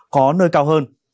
có nơi cao hơn